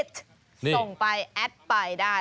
ส่งไปแอดไปได้